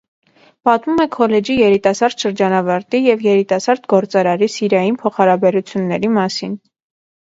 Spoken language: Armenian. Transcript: Պատմում է քոլեջի երիտասարդ շրջանավարտի և երիտասարդ գործարարի սիրային փոխհարաբերությունների մասին։